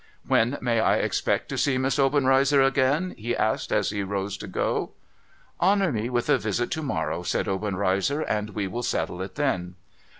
'When may I expect to see Miss Obenreizer again?' he asked, as he rose to go. ' Honour me with a visit to morrow,' said Obenreizer, ' and we will settle it then.